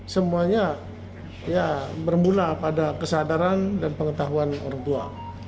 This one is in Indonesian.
semuanya ya bermula pada kesadaran dan pengetahuan orang tua